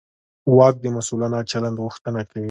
واک د مسوولانه چلند غوښتنه کوي.